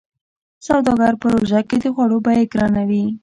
سوداګرو په روژه کې د خوړو بيې ګرانوي.